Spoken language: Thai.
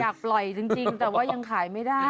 อยากปล่อยจริงแต่ว่ายังขายไม่ได้